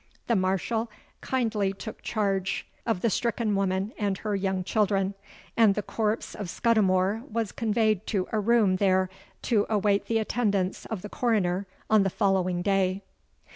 The Marshal kindly took charge of the stricken woman and her young children; and the corpse of Scudimore was conveyed to a room there to await the attendance of the Coroner on the following day.